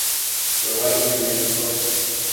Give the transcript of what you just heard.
chouaic menda icco ?